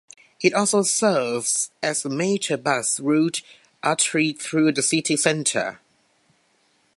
It also serves as a major bus route artery through the city centre.